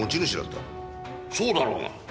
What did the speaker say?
そうだろうが。